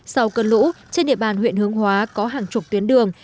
sau cơn lũ trên địa bàn huyện hướng hóa có hàng chục tuyến đường